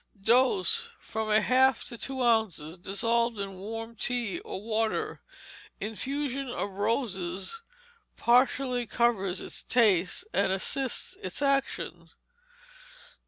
Dose, from a half to two ounces, dissolved in warm tea or water. Infusion of roses partially covers its taste and assists its action.